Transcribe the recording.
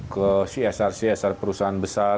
ke csr csr perusahaan besar